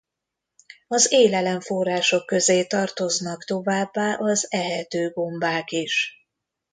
Az élelemforrások közé tartoznak továbbá az ehető gombák is.